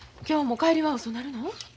今日も帰りは遅なるの？